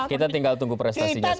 kita tinggal tunggu prestasinya